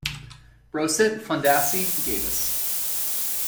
Brosset, Fondacci, Gabus.